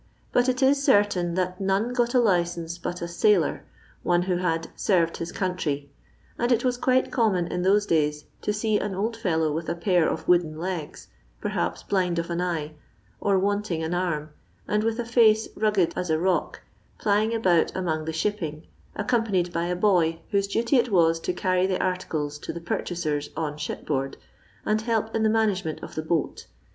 But it is certain that none got a licence but a sailor — one. who had *'senrcd his country;" and it was quite common in those days to see an old fellow with a pair of wooden legs, perhaps blind of an eye, or wanting an arm, and with a face mggod as a rock, plying about among the shipping, accompanied by a boy whose duty it was to carry the articles to the purchasers on shipboard, and help in the management of the boat.